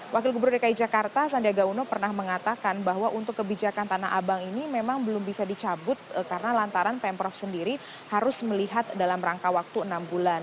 wakil gubernur dki jakarta sandiaga uno pernah mengatakan bahwa untuk kebijakan tanah abang ini memang belum bisa dicabut karena lantaran pemprov sendiri harus melihat dalam rangka waktu enam bulan